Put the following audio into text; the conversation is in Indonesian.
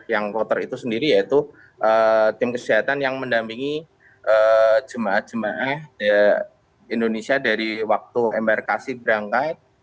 yang kloter itu sendiri yaitu tim kesehatan yang mendampingi jemaah jemaah indonesia dari waktu embarkasi berangkat